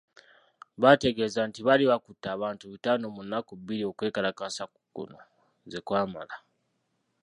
Baategeeza nti baali bakutte abantu bitaano mu nnaku ebiri okwekalakaasa kuno ze kwamala.